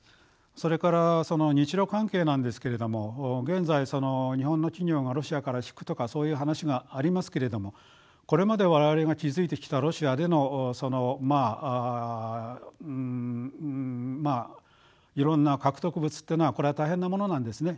それから日ロ関係なんですけれども現在日本の企業がロシアから引くとかそういう話がありますけれどもこれまで我々が築いてきたロシアでのいろんな獲得物というのはこれは大変なものなんですね